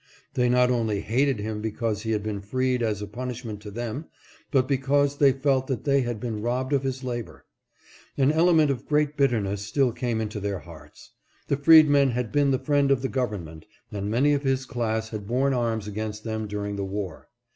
They not only hated him because he had been freed as a punishment to them, but because they felt that they had been robbed of his labor. An element of great er bitterness still came into their hearts ; the freedman had been the friend of the government, and many of his class had borne arms against them during the war.